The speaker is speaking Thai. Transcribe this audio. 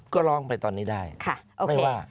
ก็ร้องไปตอนนี้ได้ไม่ว่า